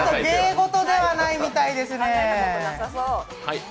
芸事ではないみたいですね。